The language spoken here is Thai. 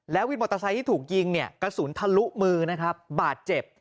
วินมอเตอร์ไซค์ที่ถูกยิงเนี่ยกระสุนทะลุมือนะครับบาดเจ็บ